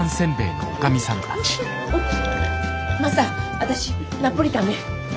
マスター私ナポリタンね。